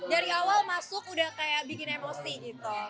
dari awal masuk udah kayak bikin emosi gitu